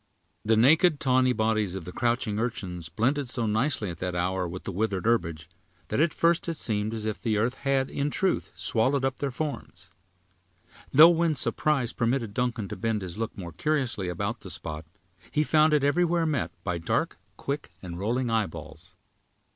The naked, tawny bodies of the crouching urchins blended so nicely at that hour, with the withered herbage, that at first it seemed as if the earth had, in truth, swallowed up their forms; though when surprise permitted Duncan to bend his look more curiously about the spot, he found it everywhere met by dark, quick, and rolling eyeballs.